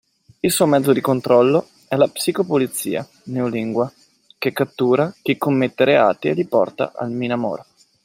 Il suo mezzo di controllo è la Psicopolizia (Neolingua) che cattura chi commette reati e li porta al MinAmor.